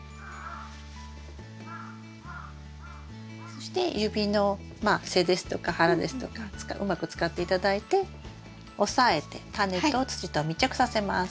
そして指の背ですとか腹ですとかうまく使って頂いて押さえてタネと土とを密着させます。